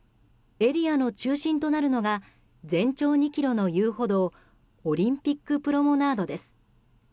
エリアの中心となるのが全長２ｋｍの遊歩道オリンピックプロムナードです。